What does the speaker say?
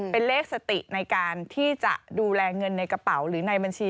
เป็นเลขสติในการที่จะดูแลเงินในกระเป๋าหรือในบัญชี